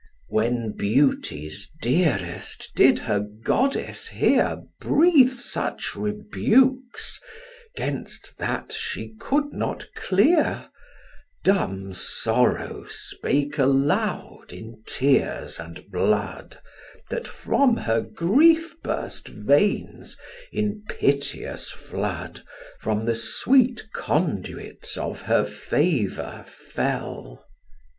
When Beauty's dearest did her goddess hear Breathe such rebukes 'gainst that she could not clear, Dumb sorrow spake aloud in tears and blood, That from her grief burst veins, in piteous flood, From the sweet conduits of her favour fell.